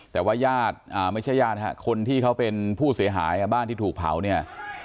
แต่ว่าญาติไม่ใช่ญาติฮะคนที่เขาเป็นผู้เสียหายบ้านที่ถูกเผาเนี่ย